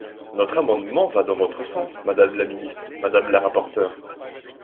Notre amendement va dans votre sens, madame la ministre, madame la rapporteure.